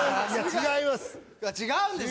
違います